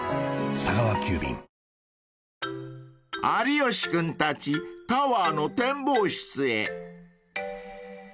［有吉君たちタワーの展望室へ］